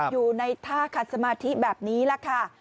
อยู่ในท่าขัดสมาธิแบบนี้แหละค่ะ